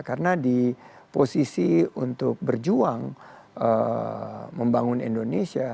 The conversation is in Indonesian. karena di posisi untuk berjuang membangun indonesia